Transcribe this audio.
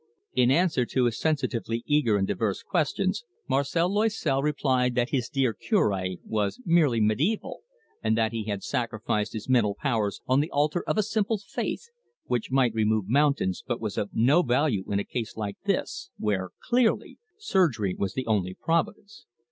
In answer to his sensitively eager and diverse questions, Marcel Loisel replied that his dear Cure was merely mediaeval, and that he had sacrificed his mental powers on the altar of a simple faith, which might remove mountains but was of no value in a case like this, where, clearly, surgery was the only providence.